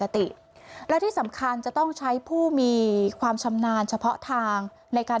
และที่สำคัญจะต้องใช้ผู้มีความชำนาญเฉพาะทางในการ